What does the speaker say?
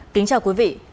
kính chào quý vị